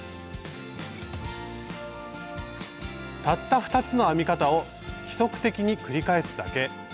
たった２つの編み方を規則的に繰り返すだけ。